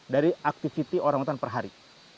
dari aktivitas orang hutan per hari